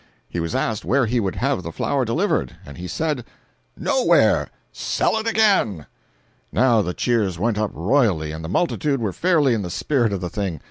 He was asked where he would have the flour delivered, and he said: "Nowhere—sell it again." Now the cheers went up royally, and the multitude were fairly in the spirit of the thing.